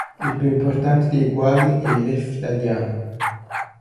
Il più importante dei quali è l'elfdaliano.